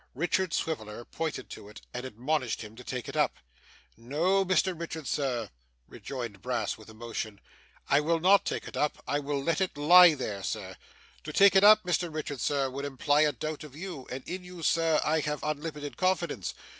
Richard Swiveller pointed to it, and admonished him to take it up. 'No, Mr Richard, sir,' rejoined Brass with emotion, 'I will not take it up. I will let it lie there, sir. To take it up, Mr Richard, sir, would imply a doubt of you; and in you, sir, I have unlimited confidence.